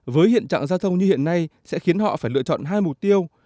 với hiện trạng giao thông như hiện nay sẽ khiến họ phải lựa chọn hai mục tiêu